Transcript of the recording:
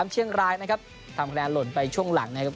เชียงรายนะครับทำคะแนนหล่นไปช่วงหลังนะครับ